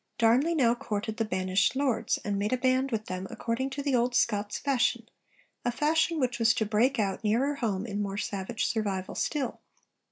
Darnley now courted the banished lords, and made a 'Band' with them according to the old Scots fashion, a fashion which was to break out nearer home in more savage survival still.